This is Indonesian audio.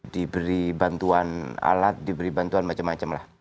diberi bantuan alat diberi bantuan macam macam lah